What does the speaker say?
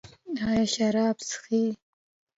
ایا شراب څښئ؟